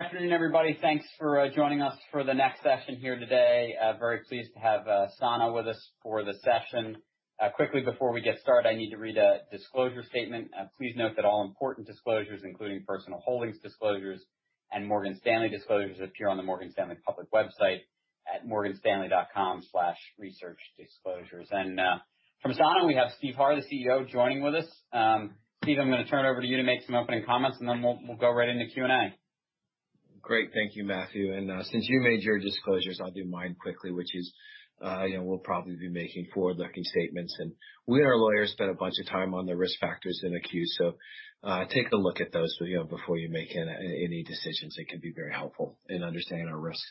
Good afternoon, everybody. Thanks for joining us for the next session here today. Very pleased to have Sana with us for the session. Quickly before we get started, I need to read a disclosure statement. Please note that all important disclosures, including personal holdings disclosures and Morgan Stanley disclosures, appear on the Morgan Stanley public website at morganstanley.com/researchdisclosures. From Sana, we have Steve Harr, the CEO, joining with us. Steve, I'm going to turn it over to you to make some opening comments, and then we'll go right into Q&A. Great. Thank you, Matthew. Since you made your disclosures, I'll do mine quickly, which is we'll probably be making forward-looking statements. We and our lawyers spent a bunch of time on the risk factors in the Q, take a look at those before you make any decisions. It can be very helpful in understanding our risks.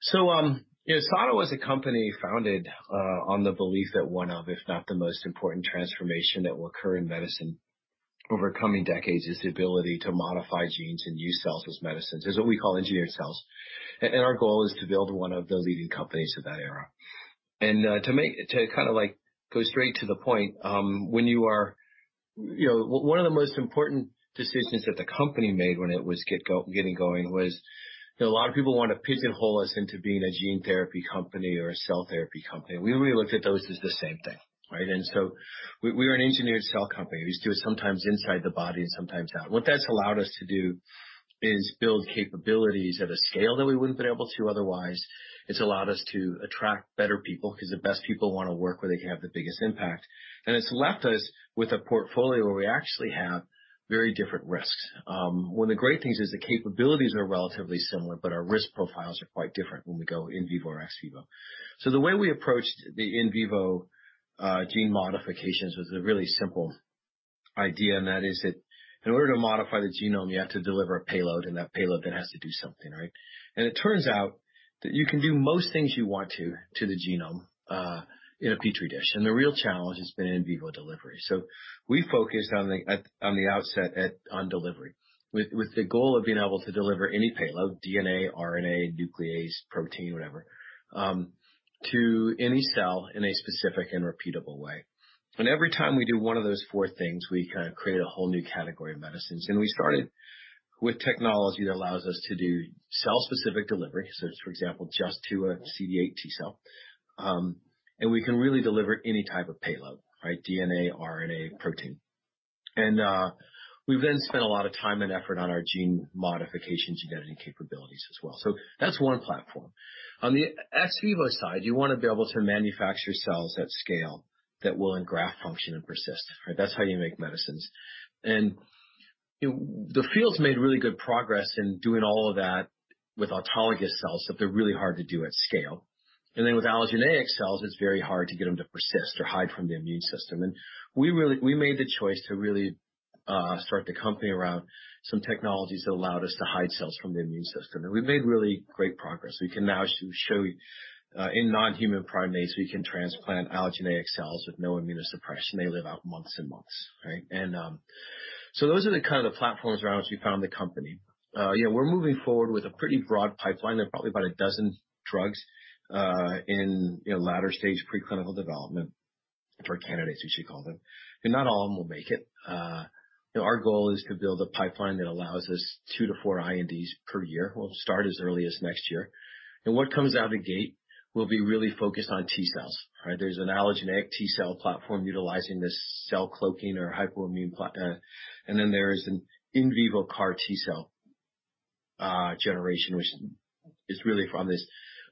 Sana was a company founded on the belief that one of, if not the most important transformation that will occur in medicine over coming decades, is the ability to modify genes and use cells as medicines, is what we call engineered cells. Our goal is to build one of the leading companies of that era. To go straight to the point, one of the most important decisions that the company made when it was getting going was that a lot of people want to pigeonhole us into being a gene therapy company or a cell therapy company. We really looked at those as the same thing, right? We are an engineered cell company. We just do it sometimes inside the body and sometimes out. What that's allowed us to do is build capabilities at a scale that we wouldn't have been able to otherwise. It's allowed us to attract better people, because the best people want to work where they can have the biggest impact. It's left us with a portfolio where we actually have very different risks. One of the great things is the capabilities are relatively similar, but our risk profiles are quite different when we go in vivo or ex vivo. The way we approached the in vivo gene modifications was a really simple idea, and that is that in order to modify the genome, you have to deliver a payload, and that payload then has to do something, right? It turns out that you can do most things you want to the genome in a petri dish, and the real challenge has been in vivo delivery. We focused on the outset on delivery, with the goal of being able to deliver any payload, DNA, RNA, nuclease, protein, whatever, to any cell in a specific and repeatable way. Every time we do one of those four things, we create a whole new category of medicines. We started with technology that allows us to do cell-specific delivery. For example, just to a CD8 T cell. We can really deliver any type of payload, right? DNA, RNA, protein. We've spent a lot of time and effort on our gene modification, gene editing capabilities as well. That's one platform. On the ex vivo side, you want to be able to manufacture cells at scale that will engraft, function, and persist, right? That's how you make medicines. The field's made really good progress in doing all of that with autologous cells, but they're really hard to do at scale. With allogeneic cells, it's very hard to get them to persist or hide from the immune system. We made the choice to really start the company around some technologies that allowed us to hide cells from the immune system, and we've made really great progress. We can now show you in non-human primates, we can transplant allogeneic cells with no immunosuppression. They live out months and months, right? Those are the kind of the platforms around which we founded the company. We're moving forward with a pretty broad pipeline. There are probably about 12 drugs in latter stage pre-clinical development for candidates, as you call them. Not all of them will make it. Our goal is to build a pipeline that allows us two to four INDs per year. We'll start as early as next year. What comes out the gate will be really focused on T cells, right? There's an allogeneic T-cell platform utilizing this cell cloaking or hypoimmune platform. Then there is an in vivo CAR T-cell generation, which is really from this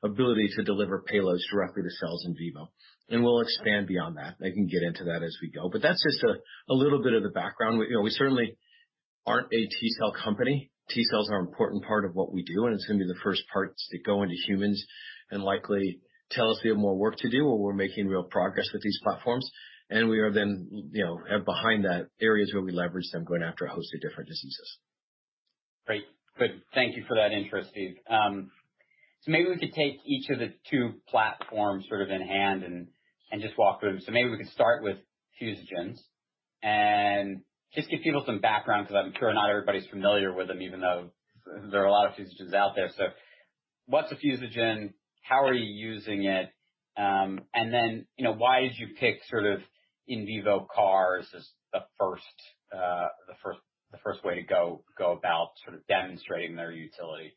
ability to deliver payloads directly to cells in vivo. We'll expand beyond that. I can get into that as we go. That's just a little bit of the background. We certainly aren't a T-cell company. T-cells are an important part of what we do, and it's going to be the first parts that go into humans and likely tell us we have more work to do or we're making real progress with these platforms. We are then, behind that, areas where we leverage them going after a host of different diseases. Great. Good. Thank you for that intro, Steve. Maybe we could take each of the two platforms sort of in hand and just walk through them. Maybe we could start with fusogens and just give people some background, because I'm sure not everybody's familiar with them, even though there are a lot of fusogens out there. What's a fusogen? How are you using it? Then, why did you pick in vivo CARs as the first way to go about demonstrating their utility?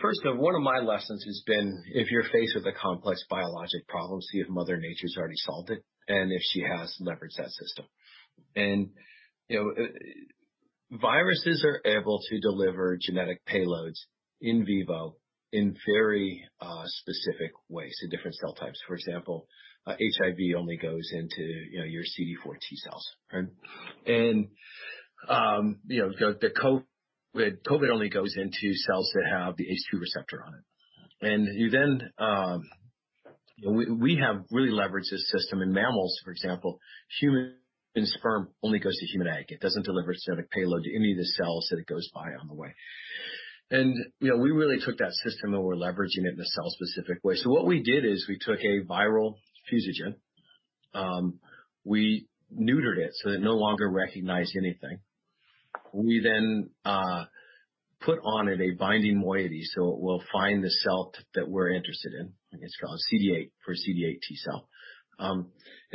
First, one of my lessons has been, if you're faced with a complex biologic problem, see if Mother Nature's already solved it, and if she has, leverage that system. Viruses are able to deliver genetic payloads in vivo in very specific ways to different cell types. For example, HIV only goes into your CD4 T cells, right? COVID only goes into cells that have the ACE2 receptor on it. We have really leveraged this system in mammals. For example, human sperm only goes to human egg. It doesn't deliver genetic payload to any of the cells that it goes by on the way. We really took that system, and we're leveraging it in a cell-specific way. What we did is we took a viral fusogen, we neutered it so that it no longer recognized anything. We put on it a binding moiety, so it will find the cell that we're interested in. I guess called a CD8 for CD8 T-cell.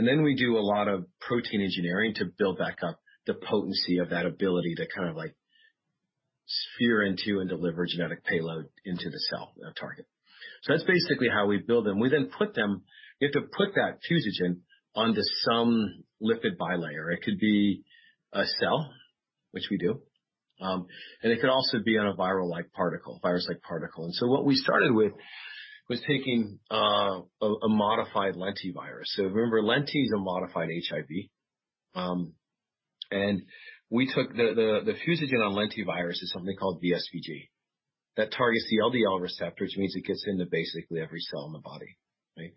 We do a lot of protein engineering to build back up the potency of that ability to kind of sphere into and deliver genetic payload into the cell target. That's basically how we build them. We put them. You have to put that fusogen onto some lipid bilayer. It could be a cell, which we do. It could also be on a virus-like particle. What we started with was taking a modified lentivirus. Remember, lenti is a modified HIV. We took the fusogen on lentivirus is something called VSVG, that targets the LDL receptor, which means it gets into basically every cell in the body. Right?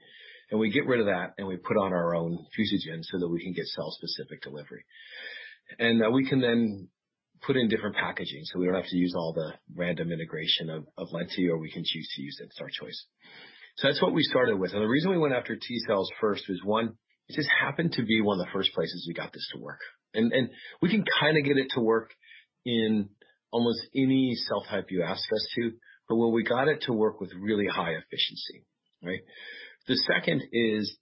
We get rid of that, and we put on our own fusogen so that we can get cell-specific delivery. We can then put in different packaging, so we don't have to use all the random integration of lenti, or we can choose to use it. It's our choice. That's what we started with. The reason we went after T-cells first was, one, it just happened to be one of the first places we got this to work. We can kind of get it to work in almost any cell type you ask us to, but where we got it to work with really high efficiency. Right? The second is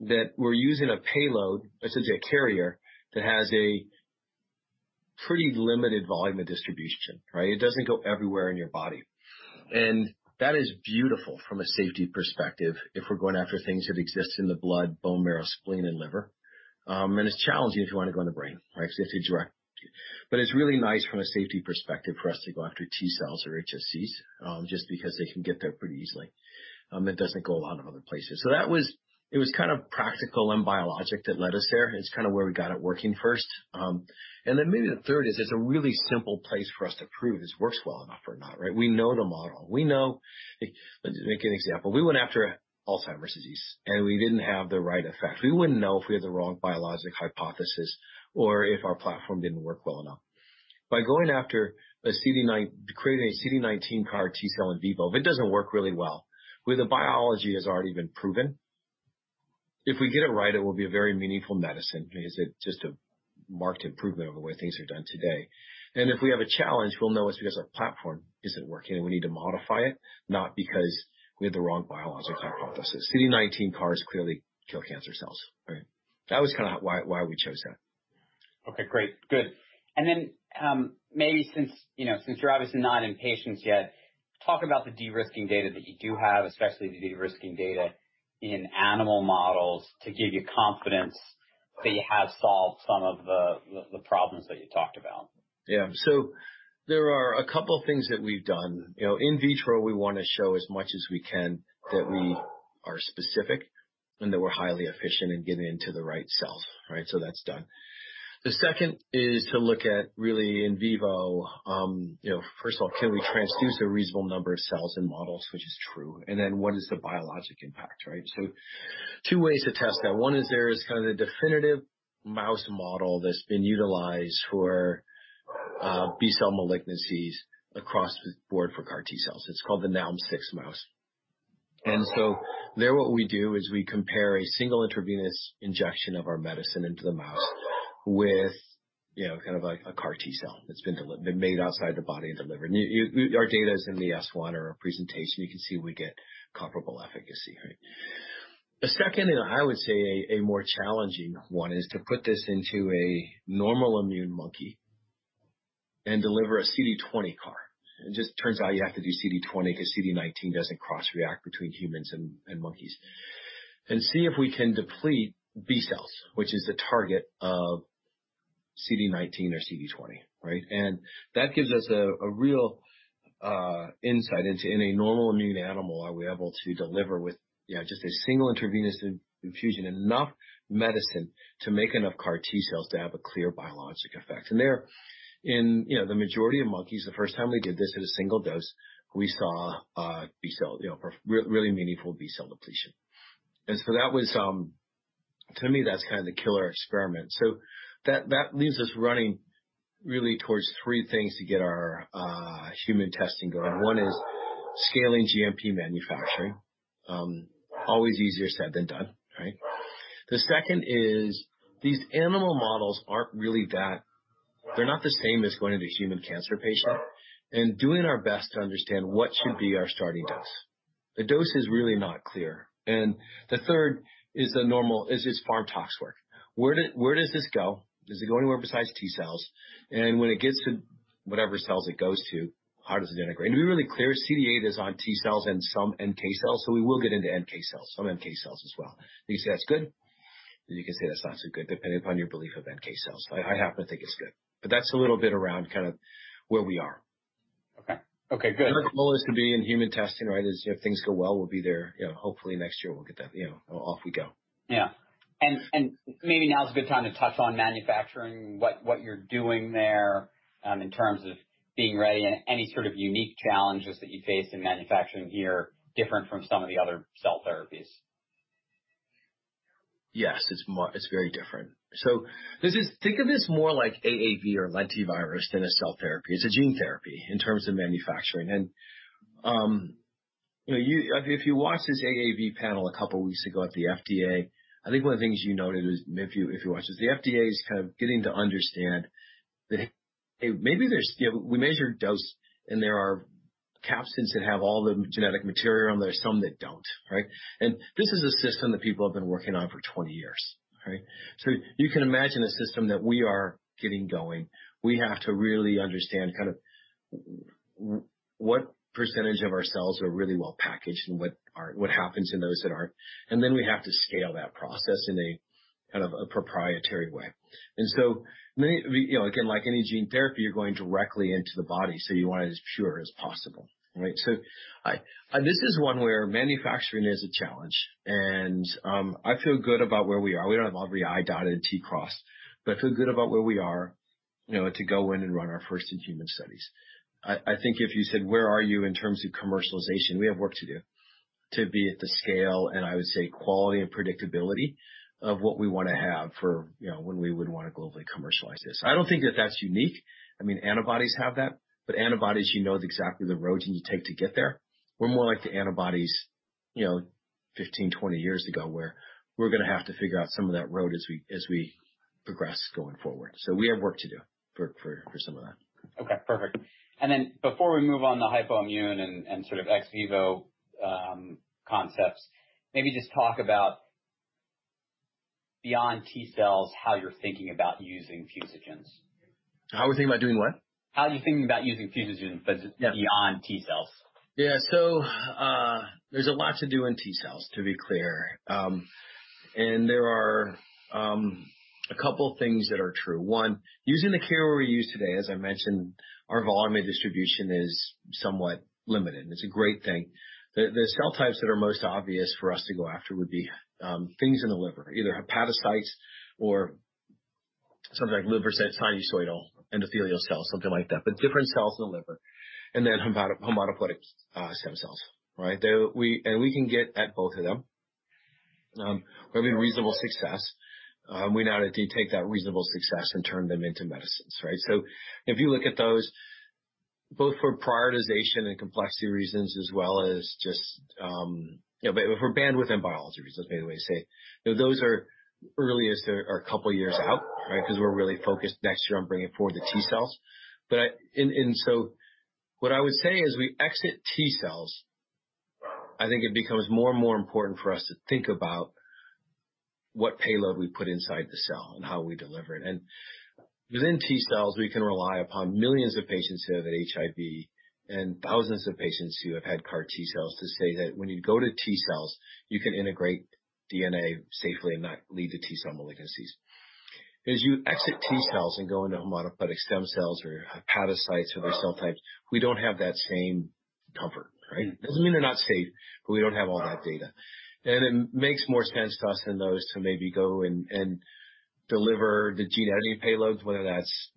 that we're using a payload, essentially a carrier, that has a pretty limited volume of distribution, right? It doesn't go everywhere in your body. That is beautiful from a safety perspective if we're going after things that exist in the blood, bone marrow, spleen, and liver. It's challenging if you want to go in the brain, right? Because you have to direct it. It's really nice from a safety perspective for us to go after T-cells or HSCs, just because they can get there pretty easily. It doesn't go a lot of other places. It was kind of practical and biologic that led us there. It's kind of where we got it working first. Maybe the third is it's a really simple place for us to prove this works well enough or not, right? We know the model. Let's make an example. We went after Alzheimer's disease, and we didn't have the right effect. We wouldn't know if we had the wrong biologic hypothesis or if our platform didn't work well enough. By going after creating a CD19 CAR T-cell in vivo, if it doesn't work really well, where the biology has already been proven, if we get it right, it will be a very meaningful medicine because it's just a marked improvement over the way things are done today. If we have a challenge, we'll know it's because our platform isn't working and we need to modify it, not because we had the wrong biologic hypothesis. CD19 CARs clearly kill cancer cells, right? That was kind of why we chose that. Okay, great. Good. Maybe since you're obviously not in patients yet, talk about the de-risking data that you do have, especially the de-risking data in animal models to give you confidence that you have solved some of the problems that you talked about. There are a couple things that we've done. In vitro, we want to show as much as we can that we are specific and that we're highly efficient in getting into the right cell. Right? That's done. The second is to look at really in vivo, first of all, can we transduce a reasonable number of cells in models, which is true, and then what is the biologic impact, right? Two ways to test that. One is there is kind of the definitive mouse model that's been utilized for B-cell malignancies across the board for CAR T-cells. It's called the Nalm-6 mouse. There what we do is we compare a single intravenous injection of our medicine into the mouse with kind of like a CAR T-cell that's been made outside the body and delivered. Our data is in the S1 or our presentation. You can see we get comparable efficacy, right? The second, and I would say a more challenging one, is to put this into a normal immune monkey and deliver a CD20 CAR. It just turns out you have to do CD20 because CD19 doesn't cross-react between humans and monkeys. See if we can deplete B-cells, which is the target of CD19 or CD20, right? That gives us a real insight into, in a normal immune animal, are we able to deliver with just a single intravenous infusion, enough medicine to make enough CAR T-cells to have a clear biologic effect. There, in the majority of monkeys, the first time we did this at a single dose, we saw B-cell, really meaningful B-cell depletion. That was, to me, that's kind of the killer experiment. That leaves us running really towards three things to get our human testing going. 1 is scaling GMP manufacturing. Always easier said than done. Right? The second is these animal models aren't really that. They're not the same as going into a human cancer patient and doing our best to understand what should be our starting dose. The dose is really not clear. The third is the normal, is its pharm/tox work. Where does this go? Does it go anywhere besides T-cells? When it gets to whatever cells it goes to, how does it integrate? To be really clear, CD8 is on T-cells and some NK cells, so we will get into some NK cells as well. You can say that's good, and you can say that's not so good, depending upon your belief of NK cells. I happen to think it's good. That's a little bit around kind of where we are. Okay. Okay, good. Our goal is to be in human testing, right? As things go well, we'll be there, hopefully next year, we'll get that, off we go. Yeah. Maybe now is a good time to touch on manufacturing, what you're doing there in terms of being ready and any sort of unique challenges that you face in manufacturing here different from some of the other cell therapies. Yes, it's very different. Think of this more like AAV or lentivirus than a cell therapy. It's a gene therapy in terms of manufacturing. If you watch this AAV panel a couple weeks ago at the FDA, I think one of the things you noted is, if you watch this, the FDA is getting to understand that we measure dose, and there are capsids that have all the genetic material, and there are some that don't. Right? This is a system that people have been working on for 20 years. Right? You can imagine a system that we are getting going, we have to really understand what percentage of our cells are really well packaged and what happens in those that aren't. We have to scale that process in a proprietary way. Again, like any gene therapy, you're going directly into the body, so you want it as pure as possible. Right. This is one where manufacturing is a challenge, and I feel good about where we are. We don't have every I dotted and T crossed, but I feel good about where we are, to go in and run our first in-human studies. I think if you said, where are you in terms of commercialization, we have work to do to be at the scale, and I would say quality and predictability of what we want to have for when we would want to globally commercialize this. I don't think that's unique. Antibodies have that, antibodies, you know exactly the roads you need to take to get there. We're more like the antibodies 15, 20 years ago, where we're going to have to figure out some of that road as we progress going forward. We have work to do for some of that. Okay, perfect. Before we move on to hypoimmune and ex vivo concepts, maybe just talk about beyond T cells, how you're thinking about using fusogens? How we're thinking about doing what? How you're thinking about using fusogens, but beyond T cells? Yeah. There's a lot to do in T cells, to be clear. There are a couple things that are true. One, using the carrier we use today, as I mentioned, our volume and distribution is somewhat limited, and it's a great thing. The cell types that are most obvious for us to go after would be things in the liver, either hepatocytes or something like liver sinusoidal endothelial cells, something like that. Different cells in the liver, and then hematopoietic stem cells. Right? We can get at both of them with reasonable success. We now need to take that reasonable success and turn them into medicines. Right? If you look at those, both for prioritization and complexity reasons, as well as just for bandwidth and biology reasons, anyway you say it, those are earliest are a couple of years out, right? We're really focused next year on bringing forward the T cells. What I would say as we exit T cells, I think it becomes more and more important for us to think about what payload we put inside the cell and how we deliver it. Within T cells, we can rely upon millions of patients who have HIV and thousands of patients who have had CAR T cells to say that when you go to T cells, you can integrate DNA safely and not lead to T cell malignancies. As you exit T cells and go into hematopoietic stem cells or hepatocytes or other cell types, we don't have that same comfort. Right? Doesn't mean they're not safe, we don't have all that data. It makes more sense to us than those to maybe go and deliver the gene editing payloads, whether that's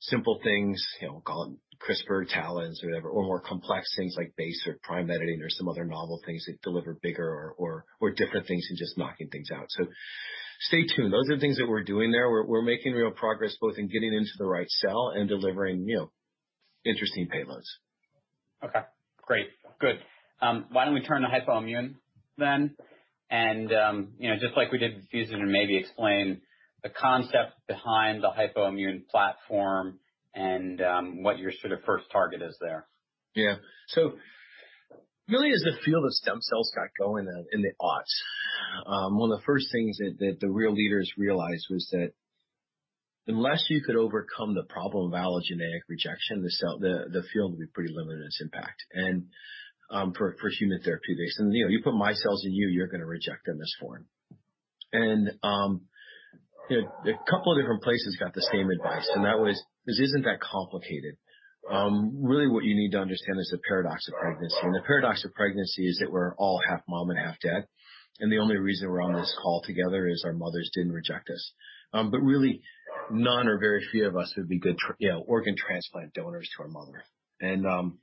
simple things, call them CRISPR, TALENs or whatever, or more complex things like base or prime editing or some other novel things that deliver bigger or different things than just knocking things out. Stay tuned. Those are the things that we're doing there. We're making real progress, both in getting into the right cell and delivering new interesting payloads. Okay. Great. Good. Why don't we turn to hypoimmune then, and just like we did with fusogen, and maybe explain the concept behind the hypoimmune platform and what your first target is there. Yeah. Really, as the field of stem cells got going in the aughts, 1 of the first things that the real leaders realized was that unless you could overcome the problem of allogeneic rejection, the field would be pretty limited in its impact and for human therapy based. You put my cells in you're going to reject them in this form. A couple of different places got the same advice, and that was, this isn't that complicated. Really what you need to understand is the paradox of pregnancy. The paradox of pregnancy is that we're all half mom and half dad, and the only reason we're on this call together is our mothers didn't reject us. Really, none or very few of us would be good organ transplant donors to our mother.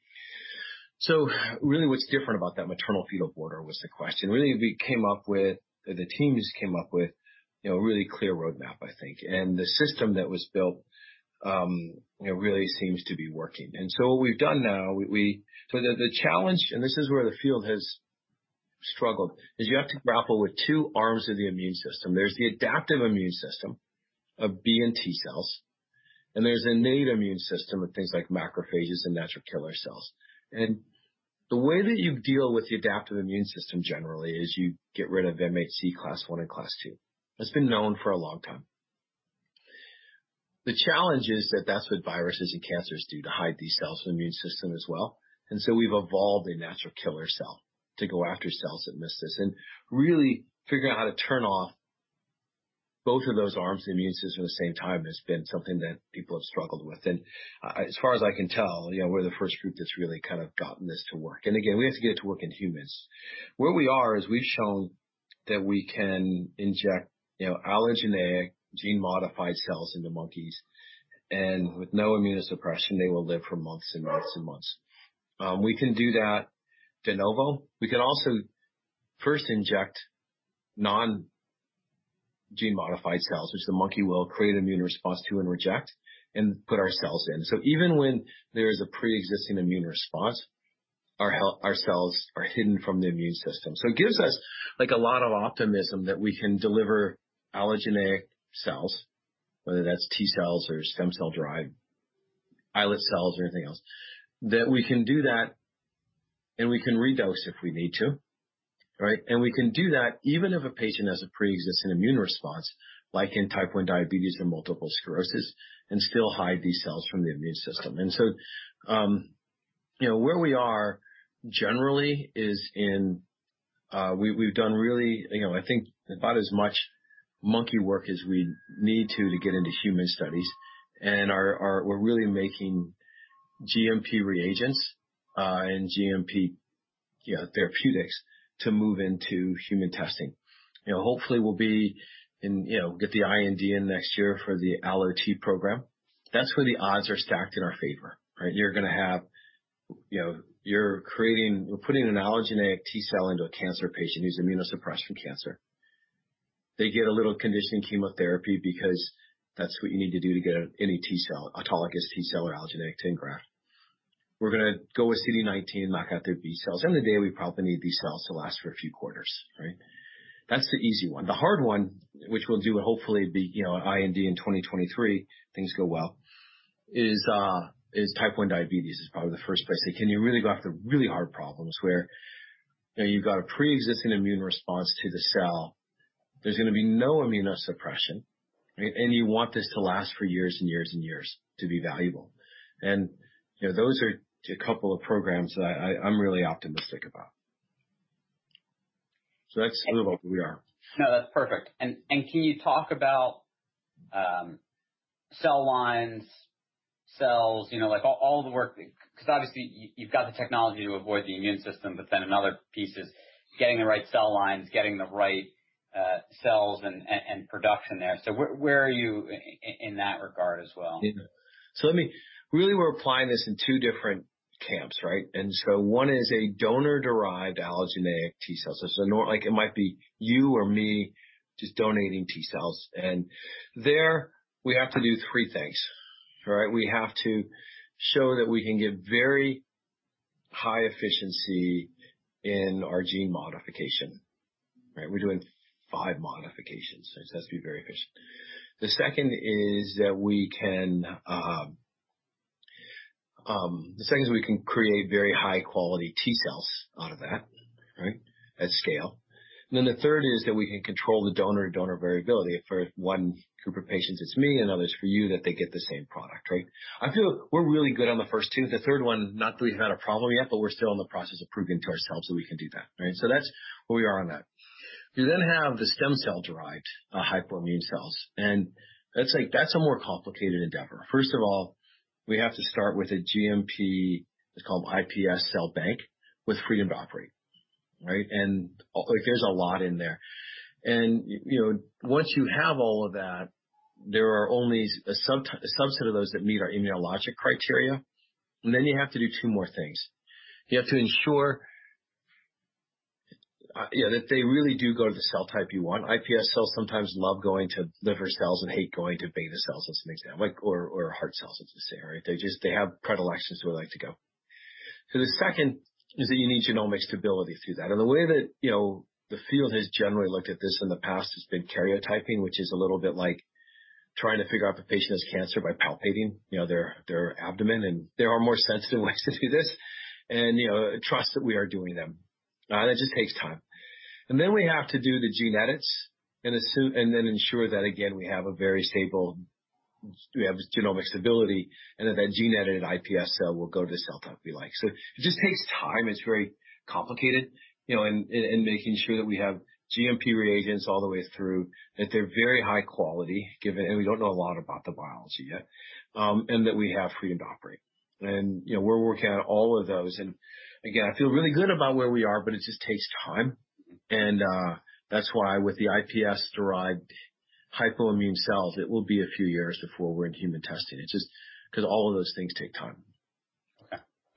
Really what's different about that maternal fetal border was the question. Really, the teams came up with a really clear roadmap, I think. The system that was built really seems to be working. What we've done now, the challenge, and this is where the field has struggled, is you have to grapple with two arms of the immune system. There's the adaptive immune system of B and T cells, and there's the innate immune system with things like macrophages and natural killer cells. The way that you deal with the adaptive immune system, generally, is you get rid of MHC class I and class II. That's been known for a long time. The challenge is that that's what viruses and cancers do to hide these cells from the immune system as well. We've evolved a natural killer cell to go after cells that miss this, and really figuring out how to turn off both of those arms of the immune system at the same time has been something that people have struggled with. As far as I can tell, we're the first group that's really gotten this to work. Again, we have to get it to work in humans. Where we are is we've shown that we can inject allogeneic gene-modified cells into monkeys, and with no immunosuppression, they will live for months and months and months. We can do that de novo. We can also first inject non-gene-modified cells, which the monkey will create an immune response to and reject, and put our cells in. Even when there is a preexisting immune response, our cells are hidden from the immune system. It gives us a lot of optimism that we can deliver allogeneic cells, whether that's T cells or stem cell-derived islet cells or anything else, that we can do that, and we can redose if we need to. Right? We can do that even if a patient has a preexisting immune response, like in type 1 diabetes and multiple sclerosis, and still hide these cells from the immune system. Where we are, generally, is We've done really, I think about as much monkey work as we need to get into human studies, and we're really making GMP reagents, and GMP therapeutics to move into human testing. Hopefully, we'll get the IND in next year for the ALLO-T program. That's where the odds are stacked in our favor. Right? You're putting an allogeneic T cell into a cancer patient who's immunosuppressed from cancer. They get a little conditioning chemotherapy because that's what you need to do to get any T cell, autologous T cell, or allogeneic to engraft. We're going to go with CD19, knock out their B cells. End of the day, we probably need B cells to last for a few quarters, right? That's the easy one. The hard one, which we'll do hopefully, the IND in 2023, things go well, is type 1 diabetes is probably the first place. Can you really go after really hard problems where you've got a preexisting immune response to the cell, there's going to be no immunosuppression, and you want this to last for years and years and years to be valuable. Those are a couple of programs that I'm really optimistic about. That's sort of where we are. No, that's perfect. Can you talk about cell lines, cells, all the work, because obviously you've got the technology to avoid the immune system, but then another piece is getting the right cell lines, getting the right cells and production there. Where are you in that regard as well? Really, we're applying this in two different camps, right? One is a donor-derived allogeneic T cell. It might be you or me just donating T cells. There we have to do three things. Right? We have to show that we can get very high efficiency in our gene modification. Right? We're doing five modifications, so it has to be very efficient. The second is that we can create very high-quality T cells out of that, right, at scale. The third is that we can control the donor variability. If for one group of patients it's me and others for you, that they get the same product, right? I feel we're really good on the first two. The third one, not that we've had a problem yet, but we're still in the process of proving to ourselves that we can do that. Right? That's where we are on that. You have the stem cell-derived hypoimmune cells, that's a more complicated endeavor. First of all, we have to start with a GMP, it's called iPS cell bank, with freedom to operate. Right? There's a lot in there. Once you have all of that, there are only a subset of those that meet our immunologic criteria. You have to do two more things. You have to ensure that they really do go to the cell type you want. iPS cells sometimes love going to liver cells and hate going to beta cells, as an example, or heart cells, as they say, right? They have predilections where they like to go. The second is that you need genomic stability through that. The way that the field has generally looked at this in the past has been karyotyping, which is a little bit like trying to figure out if a patient has cancer by palpating their abdomen. There are more sensitive ways to do this and trust that we are doing them. That just takes time. We have to do the gene edits and then ensure that, again, we have a very stable genomic stability, and that that gene-edited iPS cell will go to the cell type we like. It just takes time. It's very complicated. Making sure that we have GMP reagents all the way through, that they're very high quality, and we don't know a lot about the biology yet, and that we have freedom to operate. We're working on all of those, and again, I feel really good about where we are, but it just takes time. That's why with the iPS-derived hypoimmune cells, it will be a few years before we're in human testing. It's just because all of those things take time.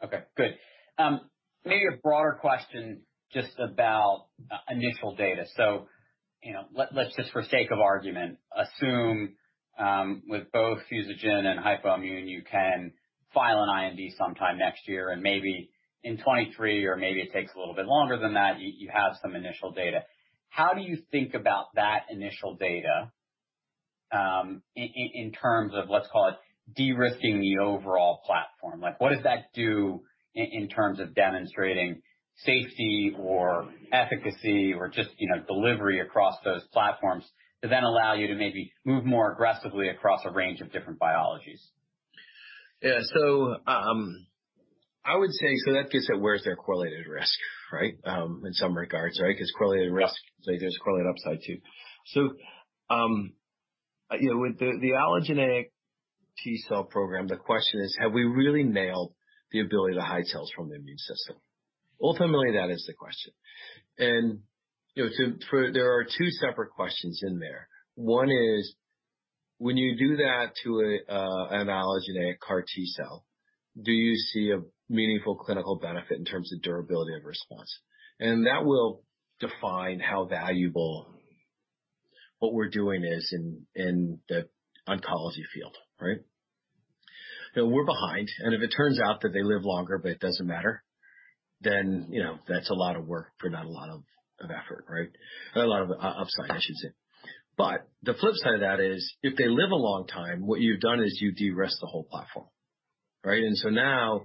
Okay. Good. Maybe a broader question just about initial data. Let's just for sake of argument, assume with both fusogen and hypoimmune, you can file an IND sometime next year and maybe in 2023 or maybe it takes a little bit longer than that, you have some initial data. How do you think about that initial data in terms of, let's call it de-risking the overall platform? What does that do in terms of demonstrating safety or efficacy or just delivery across those platforms to then allow you to maybe move more aggressively across a range of different biologies? I would say, that gets at where is their correlated risk, right? In some regards, right? Correlated risk, there's correlated upside too. With the allogeneic T cell program, the question is, have we really nailed the ability to hide cells from the immune system? Ultimately, that is the question. There are two separate questions in there. One is, when you do that to an allogeneic CAR T-cell, do you see a meaningful clinical benefit in terms of durability of response? That will define how valuable what we're doing is in the oncology field, right? We're behind, if it turns out that they live longer, but it doesn't matter, that's a lot of work for not a lot of effort, right? A lot of upside, I should say. The flip side of that is, if they live a long time, what you've done is you de-risk the whole platform. Right? Now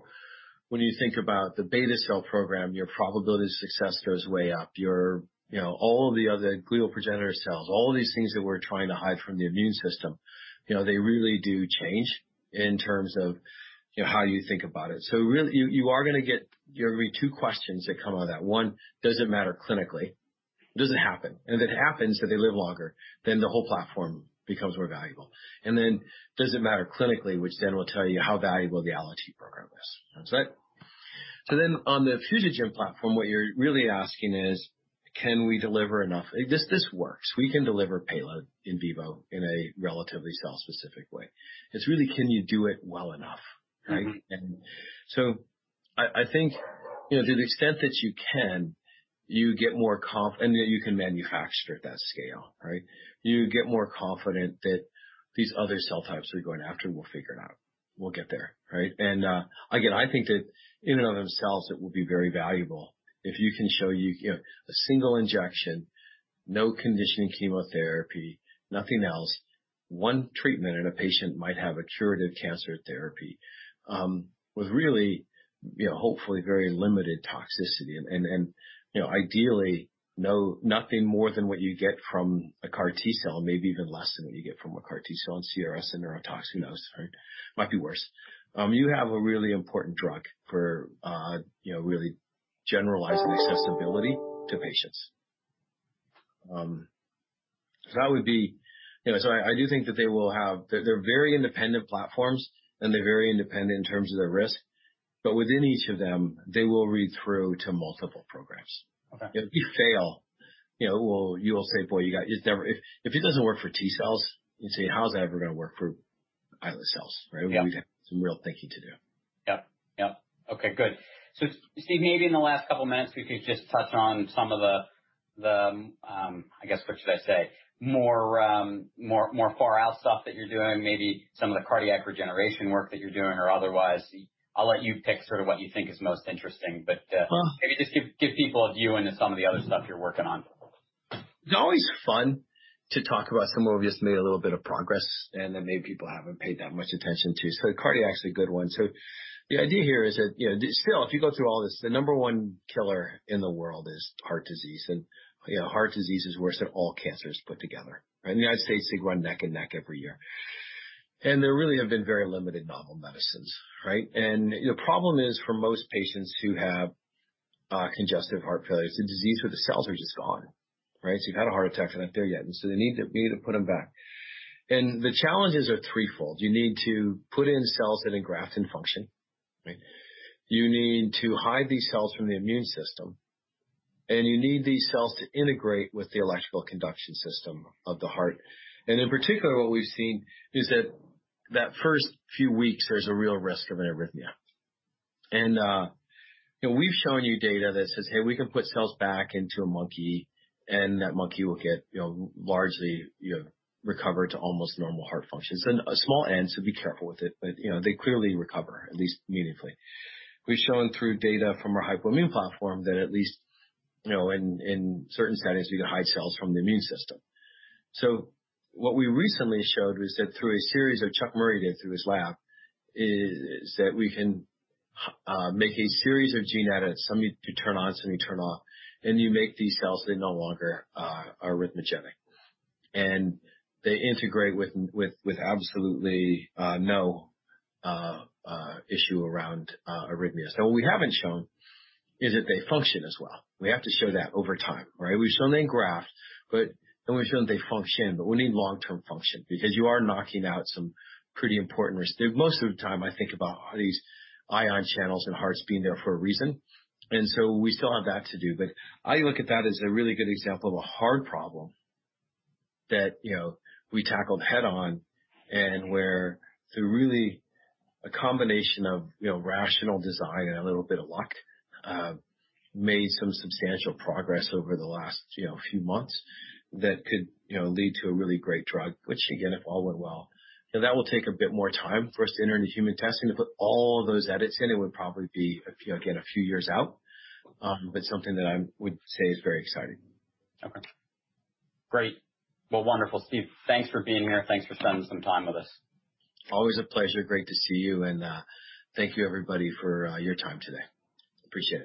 when you think about the beta cell program, your probability of success goes way up. All the other glial progenitor cells, all of these things that we're trying to hide from the immune system, they really do change in terms of how you think about it. Really, There are going to be two questions that come out of that. One, does it matter clinically? Does it happen? If it happens that they live longer, the whole platform becomes more valuable. Then, does it matter clinically, which will tell you how valuable the allogeneic program is. Sounds right? On the fusogen platform, what you're really asking is, this works. We can deliver payload in vivo in a relatively cell-specific way. It's really, can you do it well enough, right? I think, to the extent that you can, and that you can manufacture at that scale, right? You get more confident that these other cell types we're going after, we'll figure it out. We'll get there. Right? Again, I think that in and of themselves, it will be very valuable if you can show a single injection, no conditioning chemotherapy, nothing else. One treatment, and a patient might have a curative cancer therapy, with really, hopefully, very limited toxicity and ideally nothing more than what you get from a CAR T-cell, maybe even less than what you get from a CAR T-cell and CRS and neurotoxicity. Might be worse. You have a really important drug for really generalizing accessibility to patients. I do think that they're very independent platforms and they're very independent in terms of their risk, but within each of them, they will read through to multiple programs. Okay. If you fail, you will say, "Boy, you guys, If it doesn't work for T-cells," you'd say, "How's that ever going to work for islet cells?" Right? Yep. We have some real thinking to do. Yep. Okay, good. Steve, maybe in the last two minutes, we could just touch on some of the, I guess, what should I say? More far-out stuff that you're doing, maybe some of the cardiac regeneration work that you're doing or otherwise. I'll let you pick sort of what you think is most interesting. Well- Maybe just give people a view into some of the other stuff you're working on. It's always fun to talk about some of what we've just made a little bit of progress and that maybe people haven't paid that much attention to. The cardiac's a good one. The idea here is that still, if you go through all this, the number one killer in the world is heart disease, and heart disease is worse than all cancers put together. In the U.S., they go neck and neck every year. There really have been very limited novel medicines, right? The problem is for most patients who have congestive heart failure, it's a disease where the cells are just gone. You've had a heart attack, they're not there yet, and so they need to put them back. The challenges are threefold. You need to put in cells that engraft and function. You need to hide these cells from the immune system, and you need these cells to integrate with the electrical conduction system of the heart. In particular, what we've seen is that first few weeks, there's a real risk of an arrhythmia. We've shown you data that says, "Hey, we can put cells back into a monkey, and that monkey will get largely recovered to almost normal heart function." It's in a small N, so be careful with it, but they clearly recover, at least meaningfully. We've shown through data from our hypoimmune platform that at least in certain settings, you can hide cells from the immune system. What we recently showed was that through a series that Charles Murry did through his lab, is that we can make a series of gene edits, some you turn on, some you turn off, and you make these cells, they're no longer arrhythmogenic. They integrate with absolutely no issue around arrhythmia. What we haven't shown is that they function as well. We have to show that over time. We've shown they engraft, and we've shown they function, but we need long-term function because you are knocking out some pretty important risks. Most of the time, I think about these ion channels and hearts being there for a reason, and so we still have that to do. I look at that as a really good example of a hard problem that we tackled head-on and where, through really a combination of rational design and a little bit of luck, made some substantial progress over the last few months that could lead to a really great drug, which again, if all went well. That will take a bit more time for us to enter into human testing. To put all those edits in, it would probably be, again, a few years out, but something that I would say is very exciting. Okay. Great. Well, wonderful, Steve. Thanks for being here. Thanks for spending some time with us. Always a pleasure. Great to see you, and thank you everybody for your time today. Appreciate it.